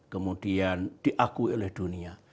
kemudian diakui oleh dunia